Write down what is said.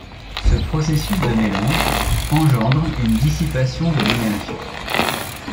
Ce processus de mélange engendre une dissipation de l’énergie.